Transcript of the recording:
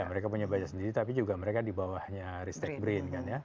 ya mereka punya budget sendiri tapi juga mereka di bawahnya risk stake brain